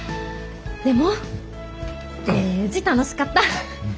でもデージ楽しかった！